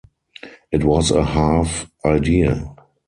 It was a half idea!